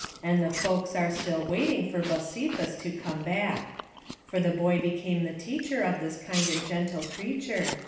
And the folks are still awaiting for Bosephus to come back. For the boy became the teacher of this kind and gentle creature.